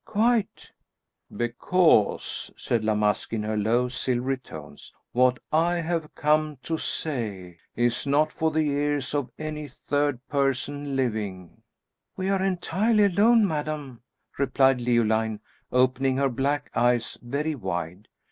"Quite:" "Because," said La Masque, in her low, silvery tones, "what I have come to say is not for the ears of any third person living:" "We are entirely alone, madame," replied Leoline, opening her black eyes very wide.